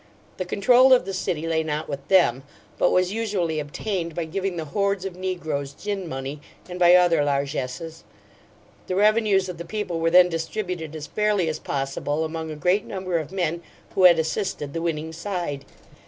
The control of the city lay not with them, but was usually obtained by giving the hordes of negroes gin money, and by other largesses. The revenues of the people were then distributed as fairly as possible among a great number of men who had assisted the winning side.